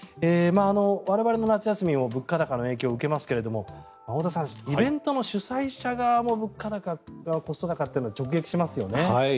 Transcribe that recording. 我々の夏休みも物価高の影響を受けますが太田さんイベントの主催者側も物価高、コスト高というのは直撃しますよね。